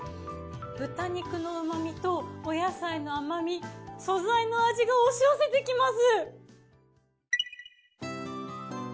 豚肉の旨味とお野菜の甘み素材の味が押し寄せてきます。